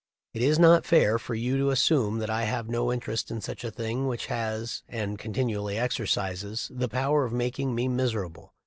It is not fair for you to assume that I have no interest in a thing which has, and continually exercises, the power of making me mis erable.